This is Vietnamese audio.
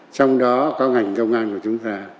trong đó có ngành công an của chúng ta